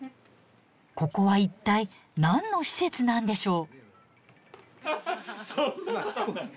ここは一体何の施設なんでしょう。